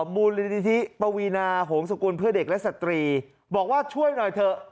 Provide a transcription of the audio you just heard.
มูลนิธิปวีนาโหงศกุลเพื่อเด็กและสตรีบอกว่าช่วยหน่อยเถอะ